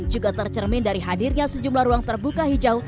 juga tercermin dari hadirnya sejumlah ruang terbuka hijau